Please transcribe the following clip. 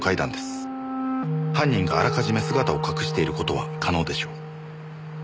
犯人があらかじめ姿を隠している事は可能でしょう。